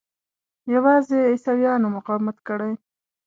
یوازې عیسویانو مقاومت کړی.